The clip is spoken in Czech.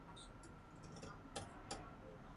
Přesnější datum není známo.